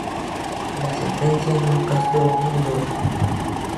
La sentencia nunca estuvo en duda.